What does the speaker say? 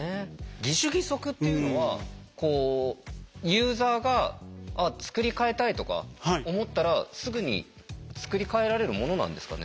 義手義足っていうのはこうユーザーが作り替えたいとか思ったらすぐに作り替えられるものなんですかね？